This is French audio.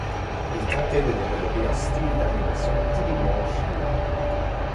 Ils tentaient de développer un style d'animation typiquement chinois.